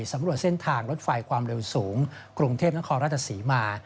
สำรวจเส้นทางรถไฟความเร็วสูงกรุงเทพนครราชศรีมา